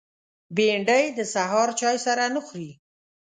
بېنډۍ د سهار چای سره نه خوري